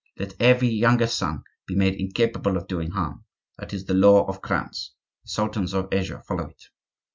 Let every younger son be made incapable of doing harm; that is the law of Crowns; the Sultans of Asia follow it.